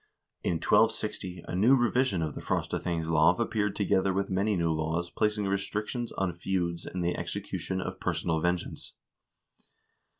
2 In 1260, a new revision of the "Frostathingslov" appeared together with many new laws placing restrictions on feuds and the execution of personal vengeance.